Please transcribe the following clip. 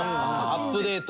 アップデート。